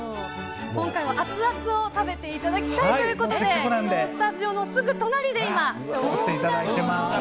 今回はアツアツを食べていただきたいということでスタジオのすぐ隣で調理をしていました。